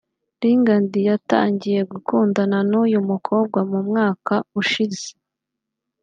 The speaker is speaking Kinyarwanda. Lingard yatangiye gukundana n’uyu mukobwa mu mwaka ushize